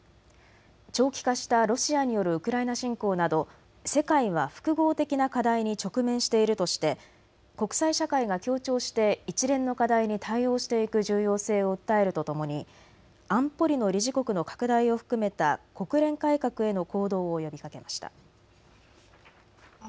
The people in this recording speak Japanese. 長期化したロシアによるウクライナ侵攻など世界は複合的な課題に直面しているとして国際社会が協調して一連の課題に対応していく重要性を訴えるとともに安保理の理事国の拡大を含めた国連改革への行動を呼びかけました。